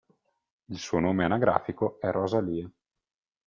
Il suo nome anagrafico è Rosalia.